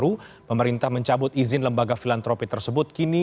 untuk mencabut izin dari act ini